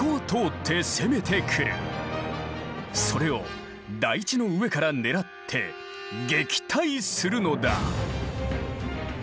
それを台地の上から狙って撃退するのだ。